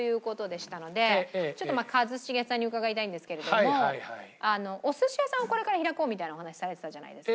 ちょっとまあ一茂さんに伺いたいんですけれどもお寿司屋さんをこれから開こうみたいなお話をされてたじゃないですか？